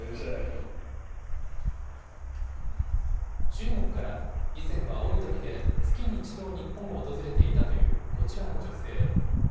中国から、以前は多いときで月に１度、日本を訪れていたというこちらの女性。